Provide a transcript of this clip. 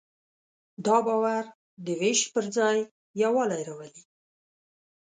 دا باور د وېش پر ځای یووالی راولي.